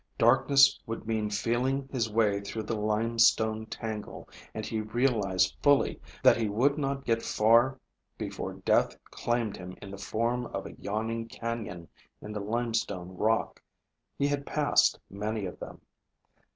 Darkness would mean feeling his way through the limestone tangle, and he realized fully that he would not get far before death claimed him in the form of a yawning canyon in the limestone rock. He had passed many of them.